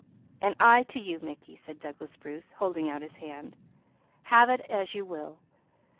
"And I to you Mickey," said Douglas Bruce, holding out his hand. "Have it as you will.